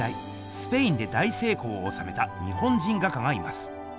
スペインで大せいこうをおさめた日本人画家がいます。